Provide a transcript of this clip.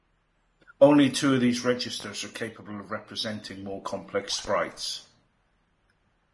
Only two of these registers are capable of representing more complex sprites.